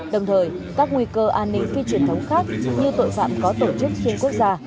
đồng thời các nguy cơ an ninh phi truyền thống khác như tội phạm có tổ chức xuyên quốc gia